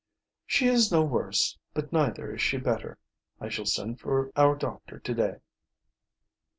"She is no worse, but neither is she better. I shall send for our doctor to day."